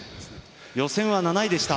予選は７位でした。